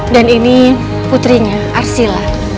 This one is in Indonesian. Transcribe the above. dan ini putrinya arsila